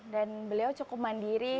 dan beliau cukup mandiri